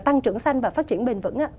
tăng trưởng xanh và phát triển bền vững